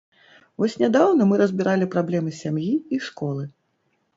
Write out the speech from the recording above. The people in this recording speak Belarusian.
Вось нядаўна мы разбіралі праблемы сям'і і школы.